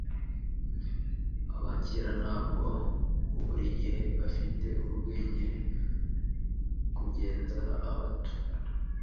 Abakera ntabwo buri gihe bafite ubwenge kurenza abato.